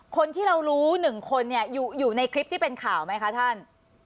คนที่เรารู้๑คนเนี่ยอยู่ในคลิปที่เป็นข่าวไหมคะท่าน